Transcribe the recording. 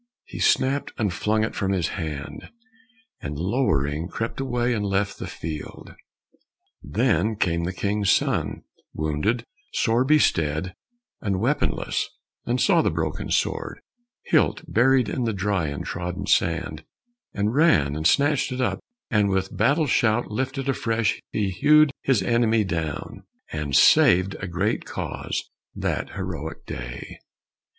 he snapt and flung it from his hand, And lowering crept away and left the field. Then came the king's son, wounded, sore bestead, And weaponless, and saw the broken sword, Hilt buried in the dry and trodden sand, And ran and snatched it, and with battle shout Lifted afresh he hewed his enemy down, And saved a great cause that heroic day.